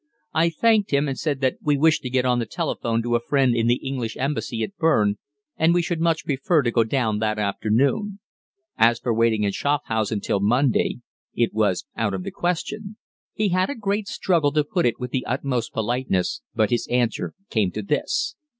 I thanked him, and said that we wished to get on the telephone to a friend in the English Embassy at Berne, and we should much prefer to go down that afternoon. As for waiting in Schafhausen till Monday, it was out of the question. He had a great struggle to put it with the utmost politeness, but his answer came to this.